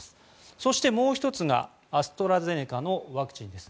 そして、もう１つがアストラゼネカのワクチンです。